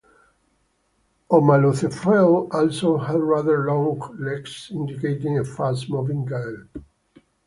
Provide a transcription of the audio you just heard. "Homalocephale" also had rather long legs, indicating a fast-moving gait.